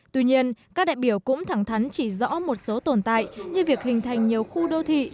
tuy nhiên các đại biểu cũng thẳng thắn chỉ rõ một số tồn tại như việc hình thành nhiều khu đô thị